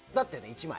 １枚。